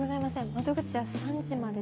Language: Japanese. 窓口は３時までで。